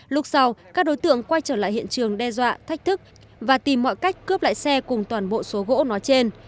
lúc sau các đối tượng quay trở lại hiện trường đe dọa thách thức và tìm mọi cách cướp lại xe cùng toàn bộ số gỗ nói trên